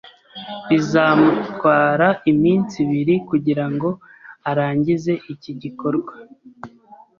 Bizamutwara iminsi ibiri kugirango arangize iki gikorwa.